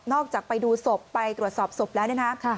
นอกจากไปดูศพไปตรวจสอบศพแล้วนะครับ